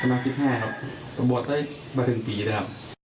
ตอนนั้น๑๕ครับบวชได้มาถึงปีแล้วครับ